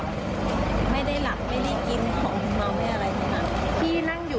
อยู่ดีดีแล้วที่นี้รถน่ะอ่ะมีที่เลยอ่ะ